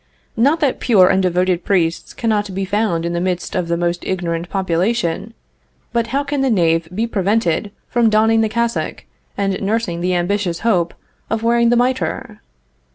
Not that pure and devoted priests cannot be found in the midst of the most ignorant population, but how can the knave be prevented from donning the cassock and nursing the ambitious hope of wearing the mitre?